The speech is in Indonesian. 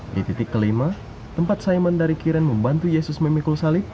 di titik kelima tempat simon dari karen membantu yesus memikul salib